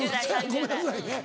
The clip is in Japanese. ごめんなさいね。